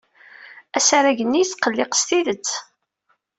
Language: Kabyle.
Asarag-nni yesqelliq s tidet.